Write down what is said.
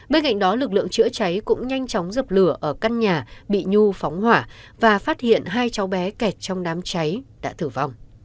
bên cạnh đó lực lượng chữa cháy cũng nhanh chóng dập lửa ở căn nhà bị nhu phóng hỏa và phát hiện hai cháu bé kẹt trong đám cháy đã tử vong